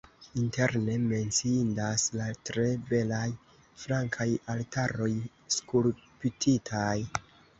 Interne menciindas la tre belaj flankaj altaroj skulptitaj.